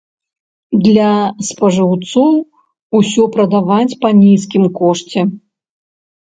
Для спажыўцоў усё прадаваць па нізкім кошце.